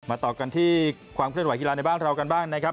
ต่อกันที่ความเคลื่อนไหกีฬาในบ้านเรากันบ้างนะครับ